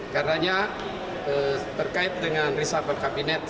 karena terkait dengan riset per kabinet